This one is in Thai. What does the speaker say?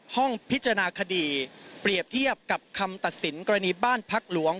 ห้องพิจารณาคดีเปรียบเทียบกับคำตัดสินกรณีบ้านพักหลวง